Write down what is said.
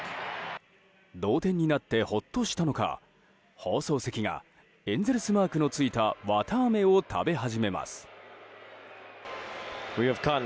同点になってほっとしたのか放送席がエンゼルスマークのついた、綿あめを食べ始めます。